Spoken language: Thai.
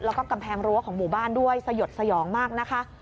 แล้วก็กำแพงรั้วของหมู่บ้านด้วยสยดสยองมากนะคะ